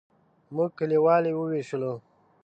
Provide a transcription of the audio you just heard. موږ کلیوال یې وویشلو.